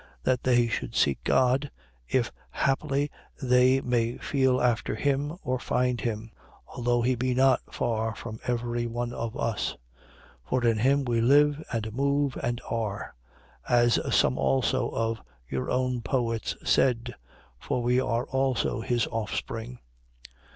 17:27. That they should seek God, if haply they may feel after him or find him, although he be not far from every one of us. 17:28. For in him we live and move and are: as some also of your own poets said: For we are also his offspring.